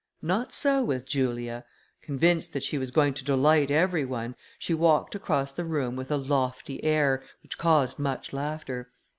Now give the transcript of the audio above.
Not so with Julia: convinced that she was going to delight every one, she walked across the room with a lofty air, which caused much laughter.